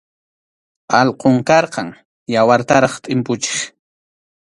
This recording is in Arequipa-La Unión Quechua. Alqum karqan, yawartaraq tʼimpuchiq.